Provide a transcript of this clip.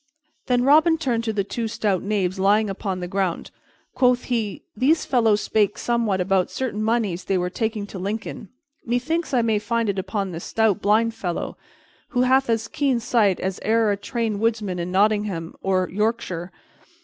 Then Robin turned to the two stout knaves lying upon the ground. Quoth he, "These fellows spake somewhat about certain moneys they were taking to Lincoln; methinks I may find it upon this stout blind fellow, who hath as keen sight as e'er a trained woodsman in Nottingham or Yorkshire.